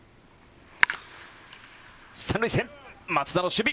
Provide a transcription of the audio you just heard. ３塁線、松田の守備。